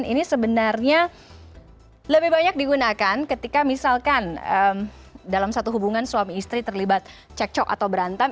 ini sebenarnya lebih banyak digunakan ketika misalkan dalam satu hubungan suami istri terlibat cekcok atau berantem